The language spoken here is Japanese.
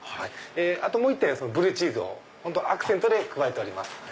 あともう１点ブルーチーズをアクセントで加えております。